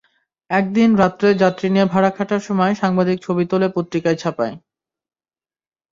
একদিন রাতে যাত্রী নিয়ে ভাড়া খাটার সময় সাংবাদিক ছবি তোলে পত্রিকায় ছাপায়।